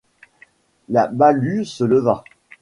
La Balue se leva.